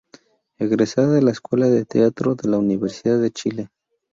Egresada de la Escuela de teatro de la Universidad de Chile.